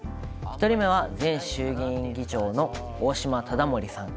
１人目は前衆議院議長の大島理森さん。